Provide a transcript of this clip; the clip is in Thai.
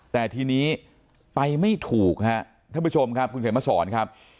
แต่ทีนี้ไปไม่ถูกฮะท่านผู้ชมครับคุณเขียนมาสอนครับ